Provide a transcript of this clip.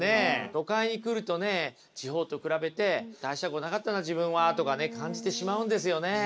都会に来るとね地方と比べて大したことなかったな自分はとかね感じてしまうんですよね。